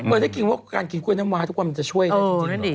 ได้กินว่าการกินกล้วยน้ำวาทุกวันมันจะช่วยได้จริง